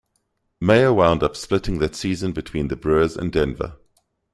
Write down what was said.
Meyer wound up splitting that season between the Brewers and Denver.